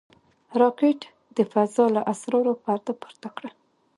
راکټ د فضا له اسرارو پرده پورته کړه